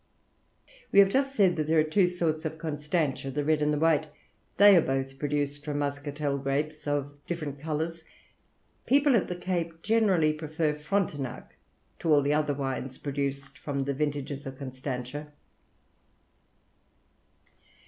We have just said that there are two sorts of Constantia, the red and the white; they are both produced from muscatel grapes of different colours. People at the Cape generally prefer Frontignac to all the other wines produced from the vintages of Constantia."